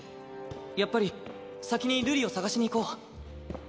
やっぱり先に瑠璃を捜しに行こう。